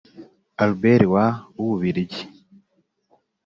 Albert wa w’Ububiligi